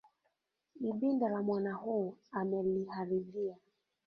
Ibinda la mwana huu ameliharia.